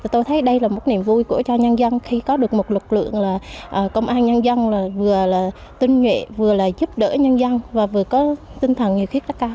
tôi thấy đây là một niềm vui của cho nhân dân khi có được một lực lượng là công an nhân dân vừa là tinh nhuệ vừa là giúp đỡ nhân dân và vừa có tinh thần nhiều khiết tất cả